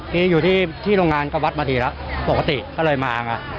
นี่อยู่ที่โรงงานก็วัดมาทีแล้วปกติก็เลยมาไง